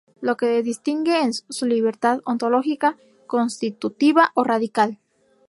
Lo que distingue es su libertad ontológica, constitutiva o radical.